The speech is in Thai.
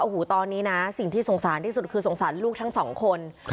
โอ้โหตอนนี้นะสิ่งที่สงสารที่สุดคือสงสารลูกทั้งสองคน